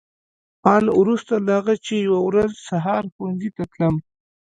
آن وروسته له هغه چې یوه ورځ سهار ښوونځي ته تلم.